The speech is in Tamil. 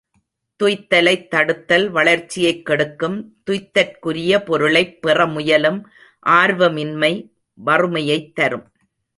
துய்த்தலைத் தடுத்தல் வளர்ச்சியைக் கெடுக்கும் துய்த்தற்குரிய பொருளைப் பெற முயலும் ஆர்வமின்மை, வறுமையைத் தரும்.